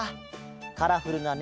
カラフルなね